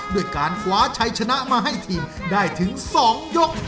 ด้วยการคว้าชัยชนะมาให้ทีมได้ถึง๒ยก